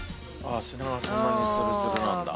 砂がそんなにツルツルなんだ。